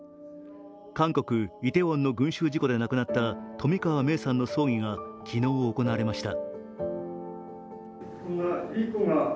韓国イテウォンの群集事故で亡くなった冨川芽生さんの葬儀が昨日、行われました。